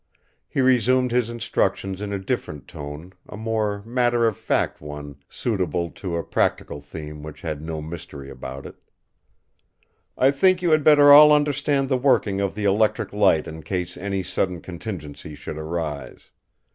He resumed his instructions in a different tone, a more matter of fact one suitable to a practical theme which had no mystery about it: "I think you had better all understand the working of the electric light in case any sudden contingency should arise.